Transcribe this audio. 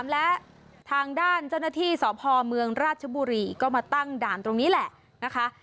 และทางด้านเจ้าหน้าที่สพเมืองราชบุรีก็มาตั้งด่านตรงนี้แหละนะคะ